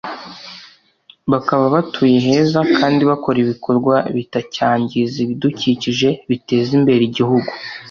bakaba batuye heza kandi bakora ibikorwa bitacyangiza ibidukikije biteza imbere igihugu